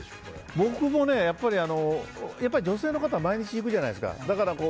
僕も女性の方は毎日いるじゃないですか。